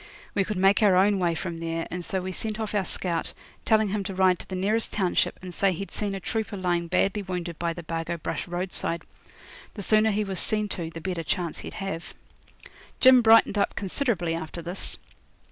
We could make our own way from there, and so we sent off our scout, telling him to ride to the nearest township and say he'd seen a trooper lying badly wounded by the Bargo Brush roadside. The sooner he was seen to, the better chance he'd have. Jim brightened up considerably after this.